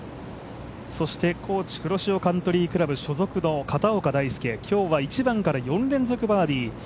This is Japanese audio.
Ｋｏｃｈｉ黒潮カントリークラブ所属の片岡大育、今日は１番から４連続バーディー。